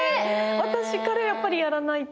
私からやっぱりやらないと。